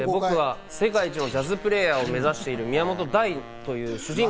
僕は世界一のジャズプレーヤーを目指している宮本大という主人公。